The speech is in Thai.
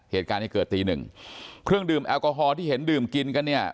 เหตุการณ์ที่เกิดตีหนึ่งเครื่องดื่มแอลกอฮอลที่เห็นดื่มกินกันเนี่ย